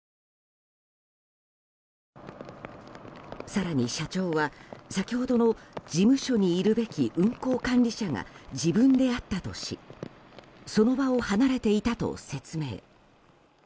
更に社長は先ほどの事務所にいるべき運航管理者が自分であったとしその場を離れていたと説明。